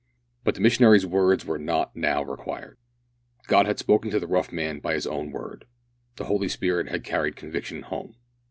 But the missionary's words were not now required. God had spoken to the rough man by his own Word. The Holy Spirit had carried conviction home.